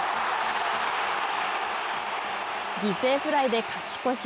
犠牲フライで勝ち越し。